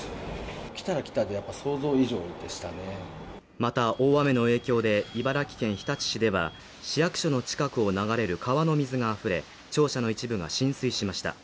また大雨の影響で茨城県日立市では市役所の近くを流れる川の水があふれ庁舎の一部が浸水しました